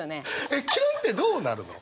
えっキュンってどうなるの？